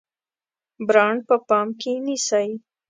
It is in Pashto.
برانډ په پام کې نیسئ؟